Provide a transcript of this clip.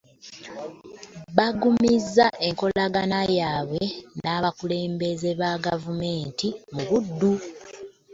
Baggumizza enkolagana yaabwe n'abakulembeze ba gavumenti mu Buddu.